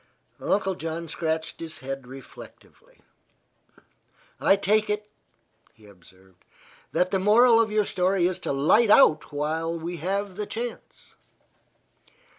Uncle John scratched his head reflectively. "I take it," he observed, "that the moral of your story is to light out while we have the chance."